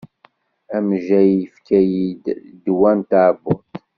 Amejjay yefka-yid ddwa n tɛebbuḍt.